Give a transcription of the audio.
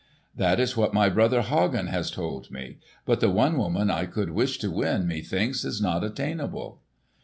"That is what my brother Hagen has told me. But the one woman I could wish to win, methinks, is not attainable."